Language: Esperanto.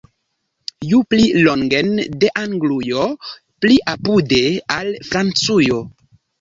Ju pli longen de Anglujo, pli apude al Francujo!